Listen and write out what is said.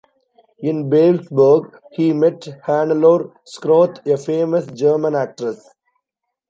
In Babelsberg he met Hannelore Schroth, a famous German actress.